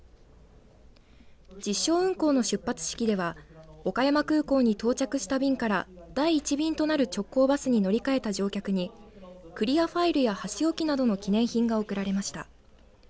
実証運行の出発式では岡山空港に到着した便から第１便となる直行バスに乗り換えた乗客にクリアファイルや箸置きなどの記念品が贈られました。